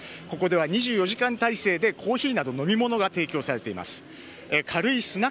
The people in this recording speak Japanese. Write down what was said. ここでは２４時間態勢でコーヒーなどの飲み物が提供されています。